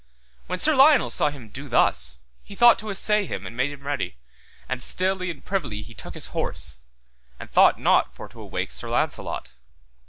When Sir Lionel saw him do thus, he thought to assay him, and made him ready, and stilly and privily he took his horse, and thought not for to awake Sir Launcelot.